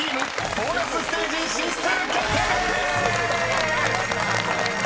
ボーナスステージ進出決定でーす！］